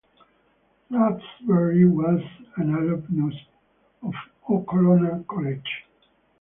Raspberry was an alumnus of Okolona College.